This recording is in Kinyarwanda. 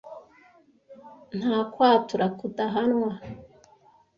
nta kwatura kudahanwa